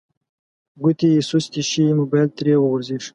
ګوتې سستې شي موبایل ترې وغورځیږي